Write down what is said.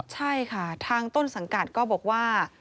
ใช่ค่ะทางต้นสังกัดก็บอกว่า